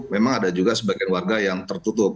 memang ada juga sebagian warga yang tertutup